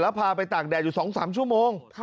พาไปตากแดดอยู่๒๓ชั่วโมง